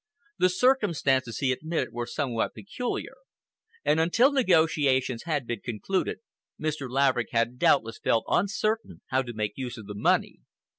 The circumstances, he admitted, were somewhat peculiar, and until negotiations had been concluded Mr. Laverick had doubtless felt uncertain how to make use of the money.